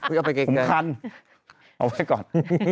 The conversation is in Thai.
เอาไปเก็บเกินคันเอาไว้ก่อน